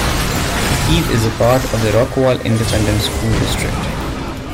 Heath is a part of the Rockwall Independent School District.